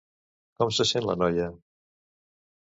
Com se sent la noia?